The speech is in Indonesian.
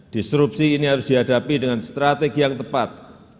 disrupsi ini harus dihadapi dengan strategi yang tepat